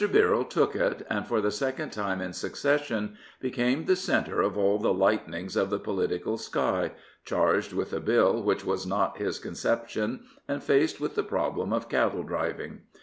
Birrell took it, and for the second time in succession became the centre of all the lightnings of the political sky, charged with a Bill which was not his conception and faced with the problem of cattle driving.